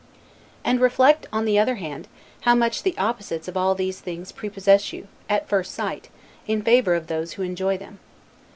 And reflect, on the other hand, how much the opposites of all these things prepossess you, at first sight, in favor of those who enjoy them.